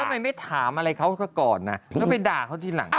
ทำไมไม่ถามอะไรเขาก็ก่อนนะแล้วไปด่าเขาทีหลัง